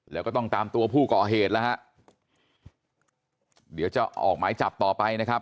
แล้วก็ต้องตามตัวผู้ก่อเหตุแล้วฮะเดี๋ยวจะออกหมายจับต่อไปนะครับ